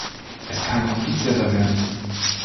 Es kann komplizierter werden.